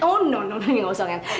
oh no no no gak usah gak usah gak usah